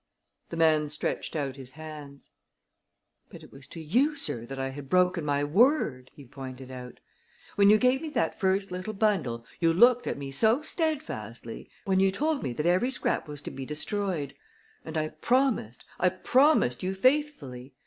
The man stretched out his hands. "But it was to you, sir, that I had broken my word!" he pointed out. "When you gave me that first little bundle you looked at me so steadfastly when you told me that every scrap was to be destroyed; and I promised I promised you faithfully.